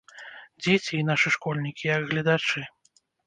Дзеці, і нашы школьнікі, як гледачы.